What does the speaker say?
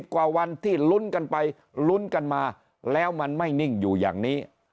กว่าวันที่ลุ้นกันไปลุ้นกันมาแล้วมันไม่นิ่งอยู่อย่างนี้